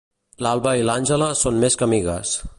L'Alba i l'Àngela són més que amigues.